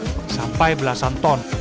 limbah sampai belasan ton